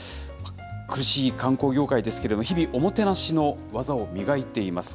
苦しい観光業界ですけれども、日々、おもてなしの技を磨いています。